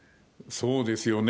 そうですよね。